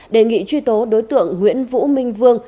đề nghị truy tố đối tượng nguyễn vũ minh vương